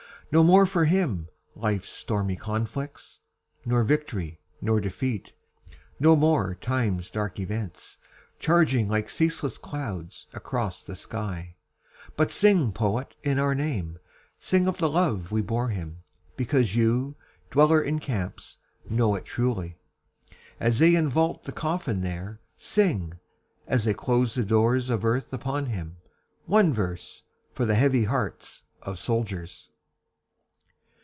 No more for him life's stormy conflicts, Nor victory, nor defeat no more time's dark events, Charging like ceaseless clouds across the sky. But sing poet in our name, Sing of the love we bore him because you, dweller in camps, know it truly. As they invault the coffin there, Sing as they close the doors of earth upon him one verse, For the heavy hearts of soldiers.